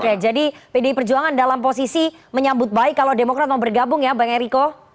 oke jadi pdi perjuangan dalam posisi menyambut baik kalau demokrat mau bergabung ya bang eriko